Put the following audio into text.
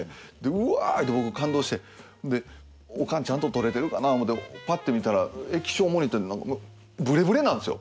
うわぁいうて僕感動してでオカンちゃんと撮れてるかな思ってパッて見たら液晶モニターブレブレなんですよ。